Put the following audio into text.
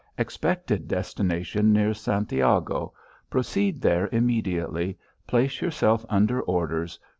Expected destination near Santiago. Proceed there immediately. Place yourself under orders.